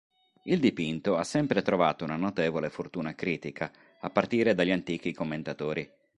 Il dipinto ha sempre trovato una notevole fortuna critica, a partire dagli antichi commentatori.